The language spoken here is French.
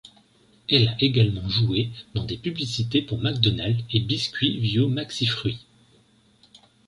Elle a également joué dans des publicités pour McDonald et Biscuits Viau Maxi Fruit.